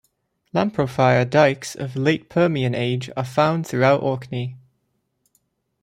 Lamprophyre dykes of Late Permian age are found throughout Orkney.